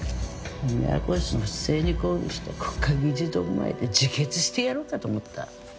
宮越の不正に抗議して国会議事堂前で自決してやろうかと思った。